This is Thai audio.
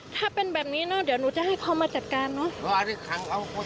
ถ้าเป็นแบบนี้เนอะเดี๋ยวหนูจะให้เขามาจัดการเนอะ